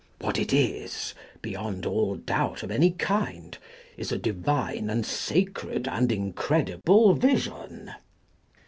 What it is, be yond all doubt of any kind, is a divine and sacred and incredible vision."